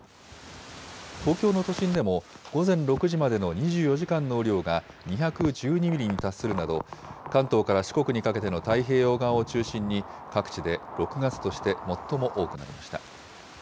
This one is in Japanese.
東京の都心でも、午前６時までの２４時間の雨量が２１２ミリに達するなど、関東から四国にかけての太平洋側を中心に、各地で６月として最も多くなりました。